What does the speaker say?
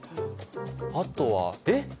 あとはえっ！？